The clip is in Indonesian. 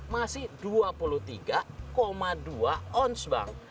masih dua puluh tiga dua oz bang